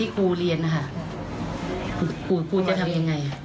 ครูก็เรียกไปที่ห้องพัก